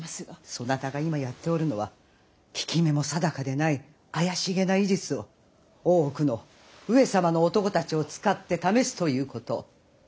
そなたが今やっておるのは効き目も定かでない怪しげな医術を大奥の上様の男たちを使って試すということ！